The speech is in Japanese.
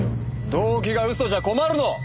動機が嘘じゃ困るの！